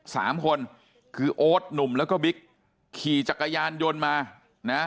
สามคนคือโอ๊ตหนุ่มแล้วก็บิ๊กขี่จักรยานยนต์มานะ